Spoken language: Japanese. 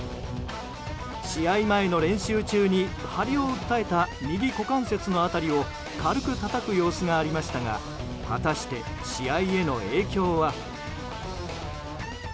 試合前の練習中に張りを訴えた右股関節の辺りを軽くたたく様子がありましたが果たして試合への影響は。